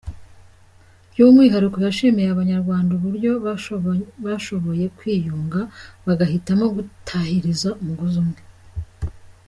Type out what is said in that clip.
By’umwihariko yashimiye Abanyarwanda uburyo bashoboye kwiyunga, bagahitamo kutahiriza umugozi umwe.